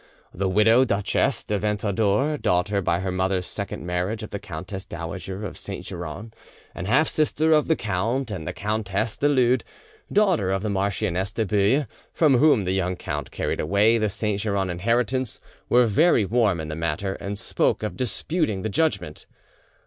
The widowed Duchess de Ventadour, daughter by her mother's second marriage of the Countess dowager of Saint Geran, and half sister of the count, and the Countess de Lude, daughter of the Marchioness de Bouille, from whom the young count carried away the Saint Geran inheritance, were very warm in the matter, and spoke of disputing the judgment.